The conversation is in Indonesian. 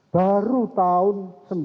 baru tahun seribu sembilan ratus dua puluh tujuh